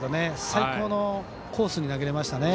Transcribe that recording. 最高のコースに投げれましたね。